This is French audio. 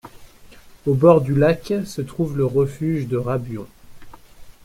Au bord du lac se trouve le refuge de Rabuons.